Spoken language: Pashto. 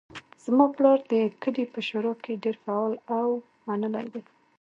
زما پلار د کلي په شورا کې ډیر فعال او منلی ده